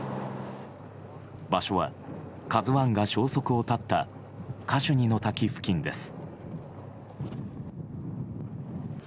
場所は「ＫＡＺＵ１」が消息を絶ったカシュニの滝付近です。